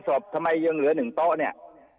ศพทำไมยังเหลือ๑โต๊ะเนี่ย